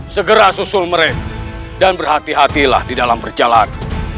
segera susul mereka dan berhati hatilah di dalam perjalanan